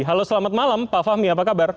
halo selamat malam pak fahmi apa kabar